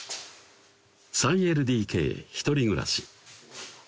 ３ＬＤＫ１人暮らし